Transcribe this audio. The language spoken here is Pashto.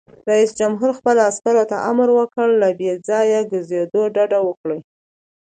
رئیس جمهور خپلو عسکرو ته امر وکړ؛ له بې ځایه ګرځېدو ډډه وکړئ!